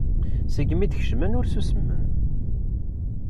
Segmi d-kecmen ur ssusmen.